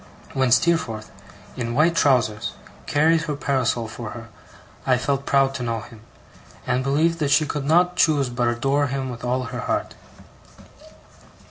When Steerforth, in white trousers, carried her parasol for her, I felt proud to know him; and believed that she could not choose but adore him with all her heart.